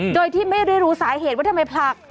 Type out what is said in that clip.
โดยที่ไม่ได้รู้สาเหตุว่าทำไมผลัก